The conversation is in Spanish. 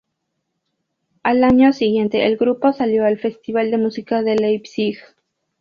Al año siguiente el grupo salió al Festival de Música de Leipzig.